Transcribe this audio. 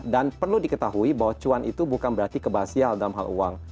dan perlu diketahui bahwa cuan itu bukan berarti kebasial dalam hal uang